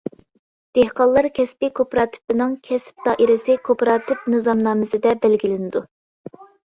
دېھقانلار كەسپىي كوپىراتىپىنىڭ كەسىپ دائىرىسى كوپىراتىپ نىزامنامىسىدە بەلگىلىنىدۇ.